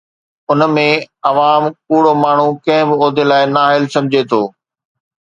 ان ۾ عوام ڪوڙو ماڻهو ڪنهن به عهدي لاءِ نااهل سمجهي ٿو.